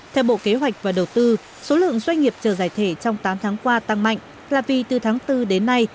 theo bộ kế hoạch và đầu tư số lượng doanh nghiệp chờ giải thể trong tám tháng qua tăng mạnh là vì từ tháng bốn đến nay